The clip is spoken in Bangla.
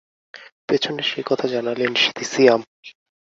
পেছনের সেই কথা জানালেন সিয়াম।